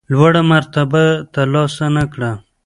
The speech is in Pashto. لوړه مرتبه ترلاسه نه کړه.